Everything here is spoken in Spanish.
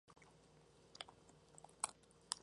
Con el cortometraje "Where's The Money, Ronnie?